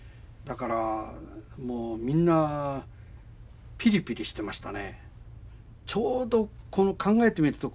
だからもうみんなピリピリしてましたね。